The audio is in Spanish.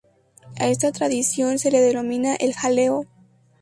A esta tradición se le denomina el "jaleo".